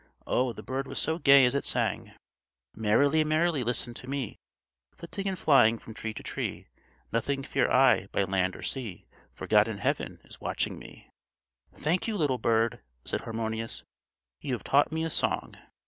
Oh! the bird was so gay as it sang: "_Merrily, merrily, listen to me, Flitting and flying from tree to tree. Nothing fear I, by land or sea, For God in Heaven is watching me"_ "Thank you, little bird," said Harmonius; "you have taught me a song."